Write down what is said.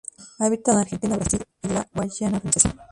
Habita en Argentina, Brasil y la Guayana Francesa.